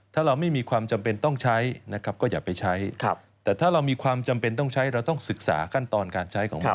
ถ้าเราไม่มีความจำเป็นต้องใช้นะครับก็อย่าไปใช้แต่ถ้าเรามีความจำเป็นต้องใช้เราต้องศึกษาขั้นตอนการใช้ของเรา